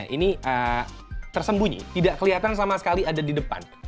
ini tersembunyi tidak kelihatan sama sekali ada di depan